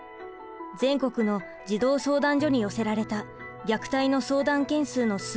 全国の児童相談所に寄せられた虐待の相談件数の推移です。